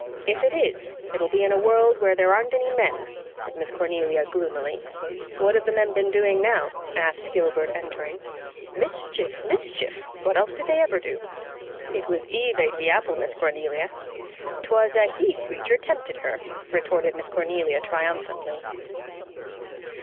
"If it is, it'll be in a world where there aren't any men," said Miss Cornelia gloomily. "What have the men been doing now?" asked Gilbert, entering. "Mischief mischief! What else did they ever do?" "It was Eve ate the apple, Miss Cornelia." "'Twas a he creature tempted her," retorted Miss Cornelia triumphantly.